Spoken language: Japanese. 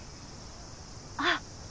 あっ！